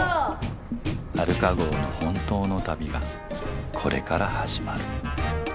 アルカ号の本当の旅がこれから始まる。